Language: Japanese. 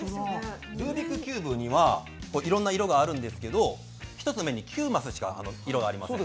ルービックキューブにはいろいろな色があるんですけど１つ目の９マスしか色がありません。